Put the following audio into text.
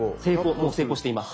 もう成功しています。